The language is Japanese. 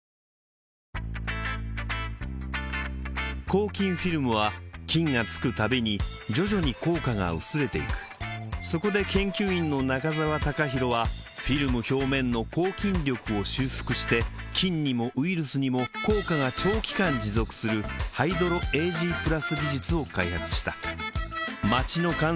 抗菌フィルムは菌が付くたびに徐々に効果が薄れていくそこで研究員の中澤隆浩はフィルム表面の抗菌力を修復して菌にもウイルスにも効果が長期間持続するハイドロエージープラス技術を開発した街の感染リスクを下げていく